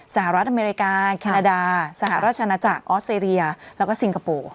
สหรัฐอเมริกาแคนาดาสหราชนาจักรออสเตรเลียแล้วก็ซิงคโปร์